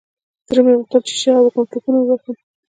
زړه مې غوښتل چې چيغه وكړم ټوپونه ووهم.